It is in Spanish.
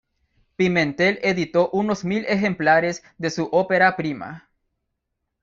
Pimentel editó unos mil ejemplares de su opera prima.